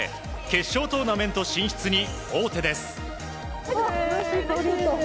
決勝トーナメント進出に王手です。